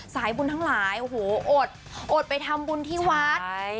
สายบุญทั้งหลายโอ้โหอดอดไปทำบุญที่วัด